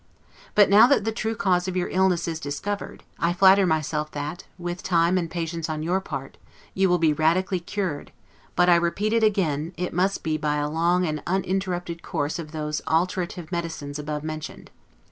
But now that the true cause of your illness is discovered, I flatter myself that, with time and patience on your part, you will be radically cured; but, I repeat it again, it must be by a long and uninterrupted course of those alterative medicines above mentioned.